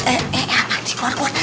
eh eh eh apaan di keluar keluar